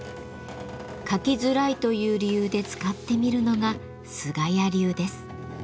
描きづらいという理由で使ってみるのが菅谷流です。